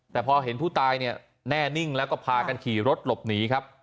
แต่พอเห็นผู้ตายเนี่ยแน่นิ่งแล้วก็พากันขี่รถหลบหนีครับ